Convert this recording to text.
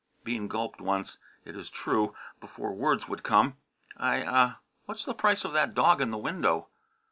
Bean gulped once, it is true, before words would come. "I uh what's the price of that dog in the window?"